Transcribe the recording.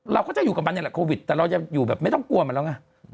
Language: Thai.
เราก็จะอยู่กับมันนี่แหละโควิดแต่เราจะอยู่แบบไม่ต้องกลัวมันแล้วไง